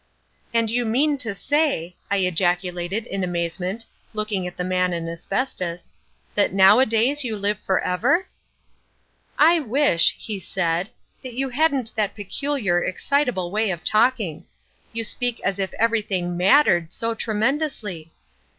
"And you mean to say," I ejaculated in amazement, looking at the Man in Asbestos, "that nowadays you live for ever?" "I wish," he said, "that you hadn't that peculiar, excitable way of talking; you speak as if everything mattered so tremendously.